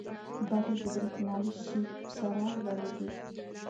بکس د برېښنا له شیټ سره ولګېد.